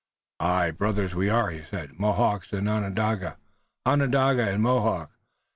"Aye, brothers are we," he said, "Mohawk and Onondaga, Onondaga and Mohawk.